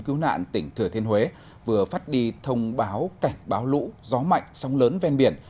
cứu nạn tỉnh thừa thiên huế vừa phát đi thông báo cảnh báo lũ gió mạnh sóng lớn ven biển